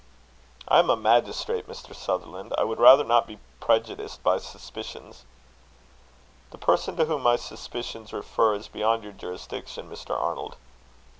"I am a magistrate, Mr. Sutherland: I would rather not be prejudiced by suspicions." "The person to whom my suspicions refer, is beyond your jurisdiction, Mr. Arnold."